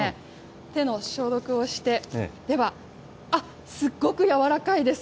手の消毒をして、では、あっ、すっごく柔らかいです。